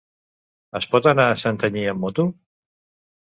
Es pot anar a Santanyí amb moto?